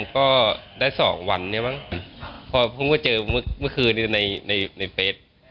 ๒๓ก็ได้๒วันนี่บ้างพอพึ่งก็เจอเมื่อคืนนี้ในเฟส